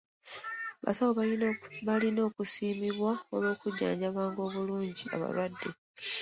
Abasawo balina okusiimibwa olw'okujjanjaba obulungi abalwadde.